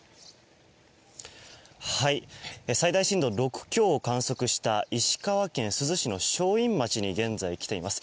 最大震度６強を観測した石川県珠洲市の正院町に現在、来ています。